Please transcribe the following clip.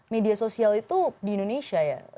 media sosial itu di indonesia ya